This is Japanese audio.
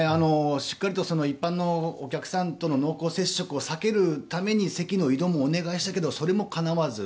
しっかりと一般のお客さんとの濃厚接触を避けるために席の移動もお願いしたけどそれもかなわず。